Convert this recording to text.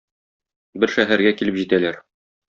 Бер шәһәргә килеп җитәләр.